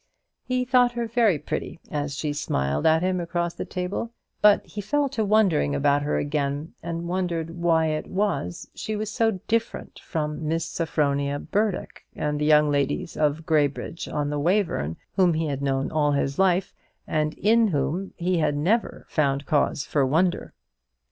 He thought her very pretty, as she smiled at him across the table; but he fell to wondering about her again, and wondered why it was she was so different from Miss Sophronia Burdock and the young ladies of Graybridge on the Wayverne, whom he had known all his life, and in whom he had never found cause for wonder.